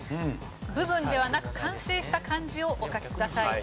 部分ではなく完成した漢字をお書きください。